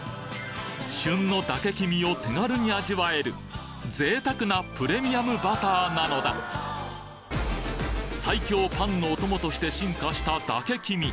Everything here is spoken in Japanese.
旬の嶽きみを手軽に味わえる贅沢なプレミアムバターなのだ最強パンのお供として進化した嶽きみ